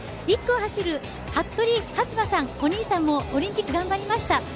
１区を走る服部弾馬さん、お兄さんもオリンピック頑張りました。